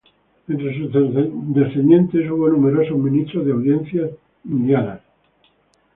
Entre sus descendientes hubo numerosos ministros de audiencias indianas.